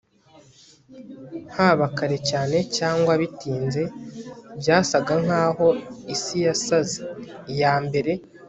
haba kare cyane cyangwa bitinze. byasaga nkaho isi yasaze. iya mbere